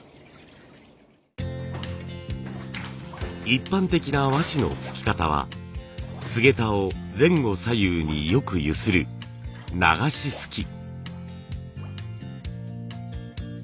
一般的な和紙の漉き方はすげたを前後左右によく揺する流し漉き。